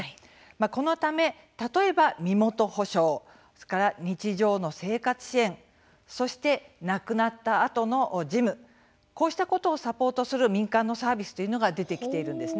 このため、例えば身元保証それから、日常の生活支援そして亡くなったあとの事務こうしたことをサポートする民間のサービスというのが出てきているんです。